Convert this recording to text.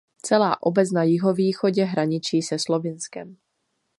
Celá obec na jihovýchodě hraničí se Slovinskem.